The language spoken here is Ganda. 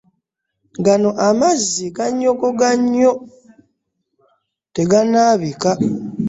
Gano amazzi ganyogoga nnyo teganaabika.